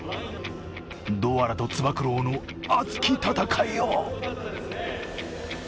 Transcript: ドアラとつば九郎の熱き戦いを！